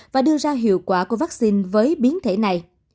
và đưa ra hiệu quả của vaccine với biến thể này